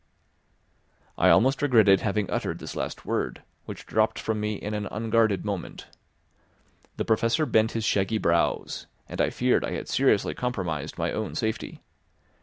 I almost regretted having uttered this last word, which dropped from me in an unguarded moment. The Professor bent his shaggy brows, and I feared I had seriously compromised my own safety.